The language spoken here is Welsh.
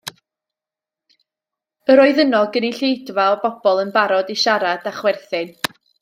Yr oedd yno gynulleidfa o bobl yn barod i siarad a chwerthin.